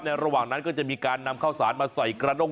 ระหว่างนั้นก็จะมีการนำข้าวสารมาใส่กระด้ง